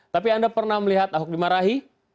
tapi anda pernah melihat ahok dimarahi